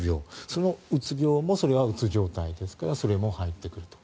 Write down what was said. そのうつ病もそれはうつ状態ですからそれも入ってくると。